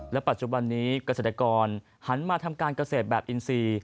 ปัจจุบันนี้เกษตรกรหันมาทำการเกษตรแบบอินซี